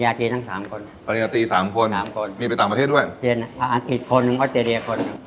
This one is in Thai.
อันนี้เป็นบ้านเราเลยบ้านเราเลย